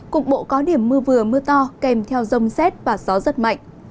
cục bộ có điểm mưa vừa mưa to kèm theo rông xét và gió rất mạnh